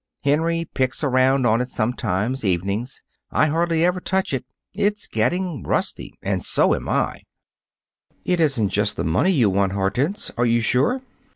Henry picks around on it sometimes, evenings. I hardly ever touch it. It's getting rusty and so am I." "It isn't just the money you want, Hortense? Are you sure?"